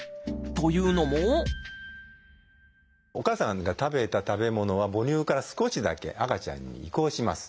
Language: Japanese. というのもお母さんが食べた食べ物は母乳から少しだけ赤ちゃんに移行します。